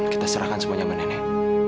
kita serahkan semuanya pada nenek